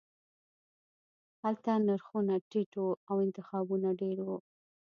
هلته نرخونه ټیټ وو او انتخابونه ډیر وو